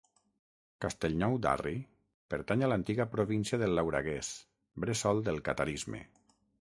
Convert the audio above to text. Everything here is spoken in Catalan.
Castellnou d'Arri pertany a l'antiga província del Lauraguès, bressol del catarisme.